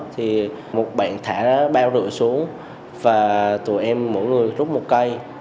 thì một bạn thả bao rượu xuống và tụi em mỗi người rút một cây